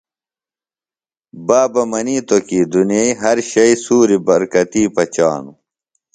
بابہ منِیتوۡ کی دُنئی ہر شئی سُوری برکتی پچانُوُ۔